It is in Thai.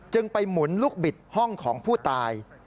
ไปหมุนลูกบิดห้องของผู้ตาย